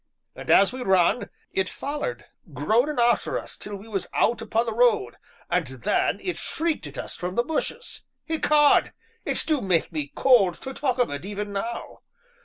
And as we run, it follered, groanin' arter us till we was out upon the road, and then it shrieked at us from the bushes. Ecod! it do make me cold to talk of it, even now.